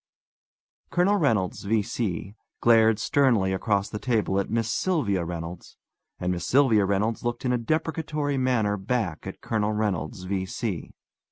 Colonel Reynolds, V.C., glared sternly across the table at Miss Sylvia Reynolds, and Miss Sylvia Reynolds looked in a deprecatory manner back at Colonel Reynolds, V.C.